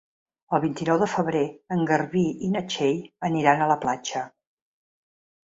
El vint-i-nou de febrer en Garbí i na Txell aniran a la platja.